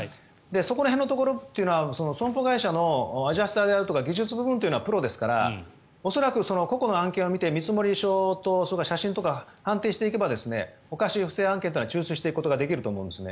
そこら辺のところは損保会社のアジャスターであるとか技術部門はプロですから恐らく個々の案件を見て見積書とそれから写真とか判定していけばおかしい不正案件は抽出していけると思うんです。